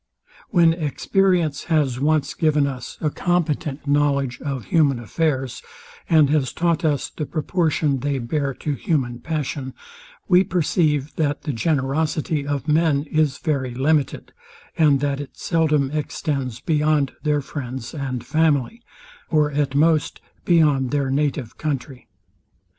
When experience has once given us a competent knowledge of human affairs, and has taught us the proportion they bear to human passion, we perceive, that the generosity of men is very limited, and that it seldom extends beyond their friends and family, or, at most, beyond their native country.